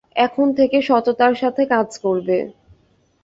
এখন থেকে সততার সাথে কাজ করবে।